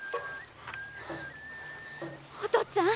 お父っつぁん。